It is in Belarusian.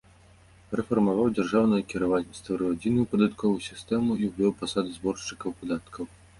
Рэфармаваў дзяржаўнае кіраванне, стварыў адзіную падатковую сістэму і ўвёў пасады зборшчыкаў падаткаў.